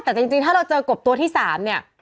แต่จริงถ้าเราเจอกบตัวที่๓เนี่ย